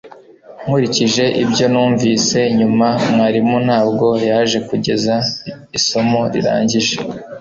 Nkurikije ibyo numvise nyuma mwarimu ntabwo yaje kugeza isomo rirangiye